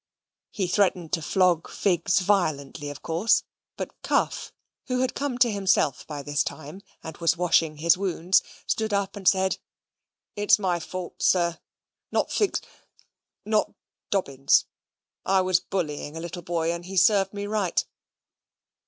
He threatened to flog Figs violently, of course; but Cuff, who had come to himself by this time, and was washing his wounds, stood up and said, "It's my fault, sir not Figs' not Dobbin's. I was bullying a little boy; and he served me right."